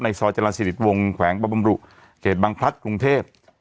ในซอยจราศิริษฐ์วงแขวงประบำรุเกรดบังพลัทธ์กรุงเทพ